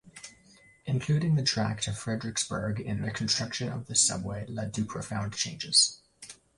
Including the track to Frederiksberg in the construction of the subway led to profound changes.